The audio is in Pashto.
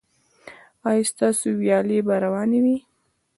ایا ستاسو ویالې به روانې وي؟